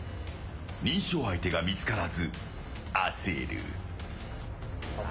認証相手が見つからず、焦る。